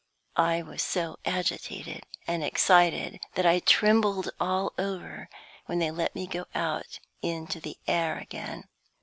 I was so agitated and excited that I trembled all over when they let me go out into the air again.